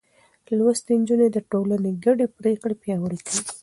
لوستې نجونې د ټولنې ګډې پرېکړې پياوړې کوي.